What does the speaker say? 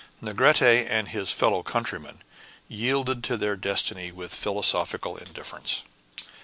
Negrete and his fellow countrymen yielded to their destiny with philosophical indifference.